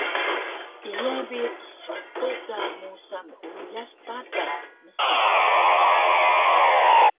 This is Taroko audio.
“Iya bi qsuqi ka musa meuyas patas” msa